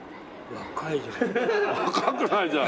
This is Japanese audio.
若くないじゃん。